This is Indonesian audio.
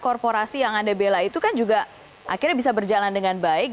korporasi yang anda bela itu kan juga akhirnya bisa berjalan dengan baik